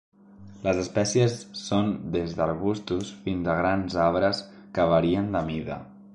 Les espècies són des d'arbustos fins a grans arbres que varien de mida.